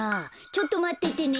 ちょっとまっててね。